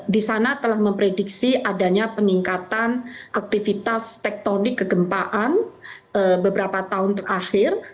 di sana telah memprediksi adanya peningkatan aktivitas tektonik kegempaan beberapa tahun terakhir